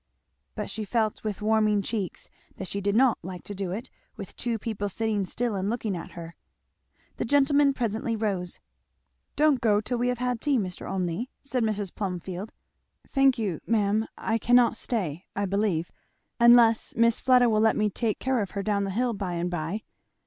But she felt with warming cheeks that she did not like to do it with two people sitting still and looking at her. The gentleman presently rose. "Don't go till we have had tea, Mr. Olmney," said Mrs. Plumfield. "Thank you, ma'am, I cannot stay, I believe, unless Miss Fleda will let me take care of her down the hill by and by."